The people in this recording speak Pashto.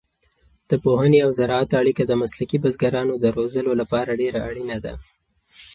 د پوهنې او زراعت اړیکه د مسلکي بزګرانو د روزلو لپاره ډېره اړینه ده.